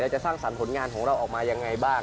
จะสร้างสรรค์ผลงานของเราออกมายังไงบ้าง